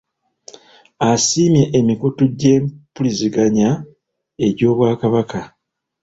Asiimye emikutu gy'empuliziganya egy'Obwakabaka